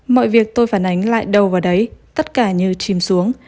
mọi việc tôi phản ánh lại đầu vào đấy tất cả như chìm xuống